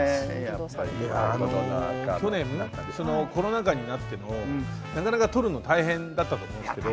いや去年そのコロナ禍になってのなかなか撮るの大変だったと思うんですけど。